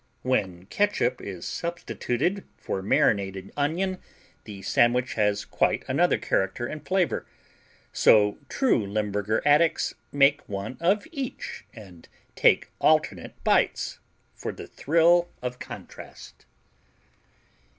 When catsup is substituted for marinated onion the sandwich has quite another character and flavor, so true Limburger addicts make one of each and take alternate bites for the thrill of contrast.